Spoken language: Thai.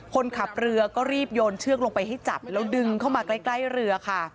คนขับเรือก็รีบโยนเชือกลงไปให้จับแล้วดึงเข้ามาใกล้เรือค่ะ